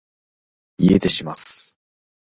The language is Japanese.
家出します